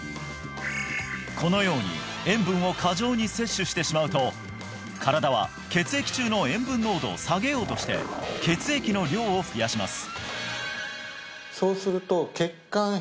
このように塩分を過剰に摂取してしまうと身体は血液中の塩分濃度を下げようとして血液の量を増やします